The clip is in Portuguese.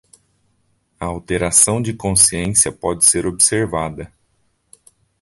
A alteração de consciência pode ser observada